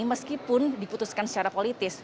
meskipun diputuskan secara politis